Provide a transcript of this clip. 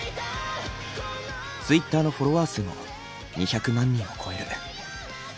ツイッターのフォロワー数も２００万人を超える。